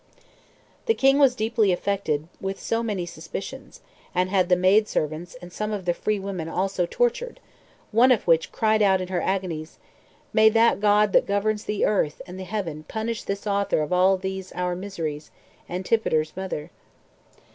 2. The king was deeply affected with so many suspicions, and had the maid servants and some of the free women also tortured; one of which cried out in her agonies, "May that God that governs the earth and the heaven punish this author of all these our miseries, Antipater's mother!"